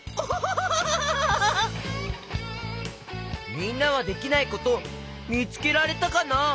みんなはできないことみつけられたかな？